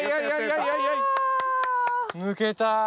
抜けた。